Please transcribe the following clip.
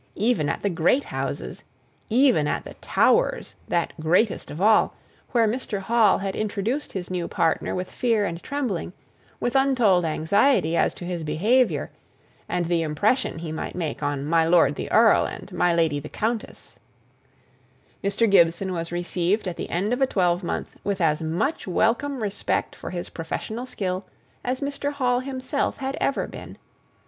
Even at the great houses even at the Towers, that greatest of all, where Mr. Hall had introduced his new partner with fear and trembling, with untold anxiety as to his behaviour, and the impression he might make on my lord the Earl, and my lady the Countess, Mr. Gibson was received at the end of a twelvemonth with as much welcome respect for his professional skill as Mr. Hall himself had ever been.